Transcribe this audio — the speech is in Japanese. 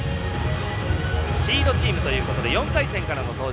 シードチームということで４回戦からの登場。